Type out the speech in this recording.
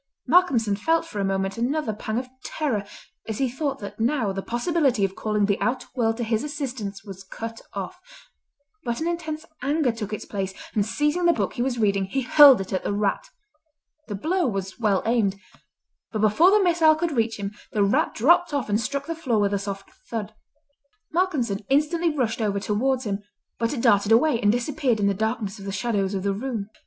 Malcolmson felt for a moment another pang of terror as he thought that now the possibility of calling the outer world to his assistance was cut off, but an intense anger took its place, and seizing the book he was reading he hurled it at the rat. The blow was well aimed, but before the missile could reach him the rat dropped off and struck the floor with a soft thud. Malcolmson instantly rushed over towards him, but it darted away and disappeared in the darkness of the shadows of the room.